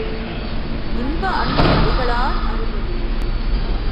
இன்ப அன்பு அடிகளார் அறுபது.